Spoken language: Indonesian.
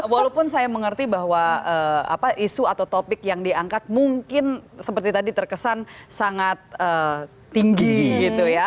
walaupun saya mengerti bahwa isu atau topik yang diangkat mungkin seperti tadi terkesan sangat tinggi gitu ya